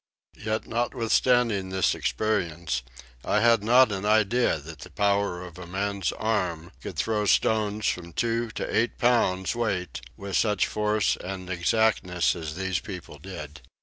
Yet notwithstanding this experience I had not an idea that the power of a man's arm could throw stones from two to eight pounds weight with such force and exactness as these people did.